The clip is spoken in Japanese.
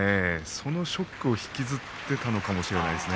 そのショックを引きずっていたのかもしれないですね。